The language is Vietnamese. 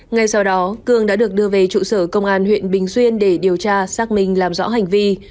ngay sau đó cương đã được đưa về trụ sở công an huyện bình xuyên để điều tra xác minh làm rõ hành vi